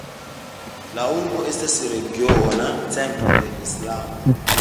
La urbo estas regiona centro de islamo.